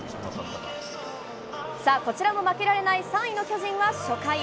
こちらも負けられない３位の巨人は初回。